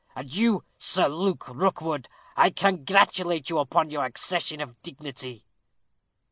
And you, Sir Luke Rookwood, I congratulate you upon your accession of dignity."